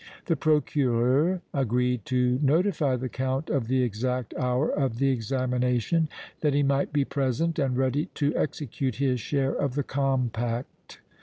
The Procureur agreed to notify the Count of the exact hour of the examination that he might be present and ready to execute his share of the compact.